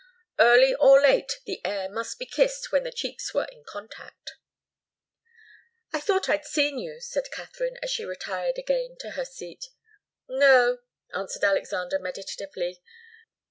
Early or late the air must be kissed when the cheeks were in contact. "I thought I'd seen you," said Katharine, as she retired again to her seat. "No," answered Alexander, meditatively.